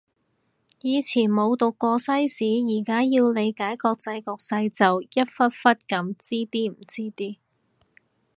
以前冇讀過西史，而家要理解國際局勢就一忽忽噉知啲唔知啲